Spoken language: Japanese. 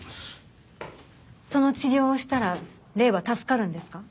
その治療をしたら礼は助かるんですか？